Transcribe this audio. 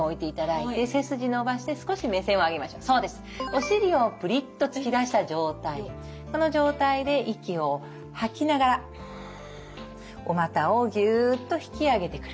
お尻をプリッと突き出した状態この状態で息を吐きながらフッおまたをギュッと引き上げてくる。